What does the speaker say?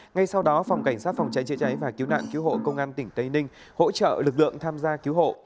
ngay sau đó phòng cảnh sát phòng cháy chữa cháy và cứu nạn cứu hộ công an tỉnh tây ninh hỗ trợ lực lượng tham gia cứu hộ